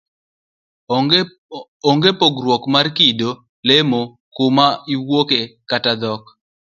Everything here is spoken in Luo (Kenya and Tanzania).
Onge' pogruok mar kido, lemo, kuma iwuoke kata dhok.